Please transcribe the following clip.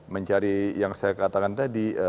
mencari yang saya katakan tadi